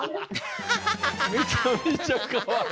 めちゃめちゃかわいい。